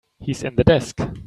He's in the desk.